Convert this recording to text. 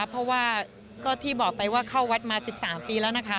เพราะว่าก็ที่บอกไปว่าเข้าวัดมา๑๓ปีแล้วนะคะ